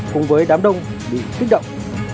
cùng với đám đông bị kích động